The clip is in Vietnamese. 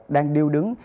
đang điêu đứng